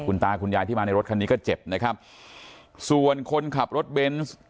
คุณตาคุณยายที่มาในรถคันนี้ก็เจ็บนะครับส่วนคนขับรถเบนส์